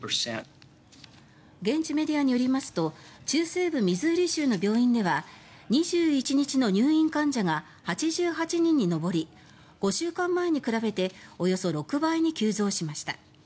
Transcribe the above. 現地メディアによりますと中西部ミズーリ州の病院では２１日の入院患者が８８人に上り５週間前に比べておよそ６倍に急増しました。